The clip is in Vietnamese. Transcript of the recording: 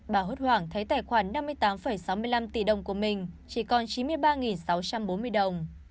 bà hốt hoảng thấy tài khoản năm mươi tám sáu mươi năm tỷ đồng của mình chỉ còn chín mươi ba sáu trăm bốn mươi đồng